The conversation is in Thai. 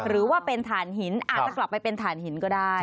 หรือว่าเป็นฐานหินอาจจะกลับไปเป็นฐานหินก็ได้